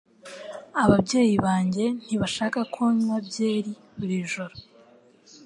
Ababyeyi banjye ntibashaka ko nywa byeri buri joro